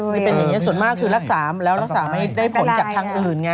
คือเป็นอย่างนี้ส่วนมากคือรักษาแล้วรักษาไม่ได้ผลจากทางอื่นไง